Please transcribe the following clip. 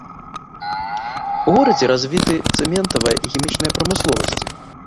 У горадзе развіты цэментавая і хімічная прамысловасці.